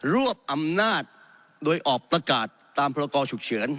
รวบอำนาจโดยออกประกาศตามพรกรฉุกเฉิน